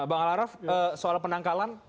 bang alaraf soal penangkalan